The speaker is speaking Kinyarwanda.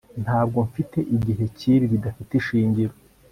ntabwo mfite igihe cyibi bidafite ishingiro